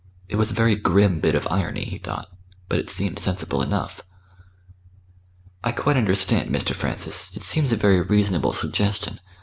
It was a very grim bit of irony, he thought, but it seemed sensible enough. "I quite understand, Mr. Francis. It seems a very reasonable suggestion.